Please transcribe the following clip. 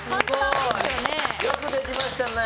よくできましたね！